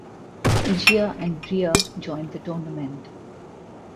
Ejea and Brea joined the tournament.